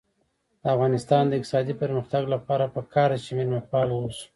د افغانستان د اقتصادي پرمختګ لپاره پکار ده چې مېلمه پال اوسو.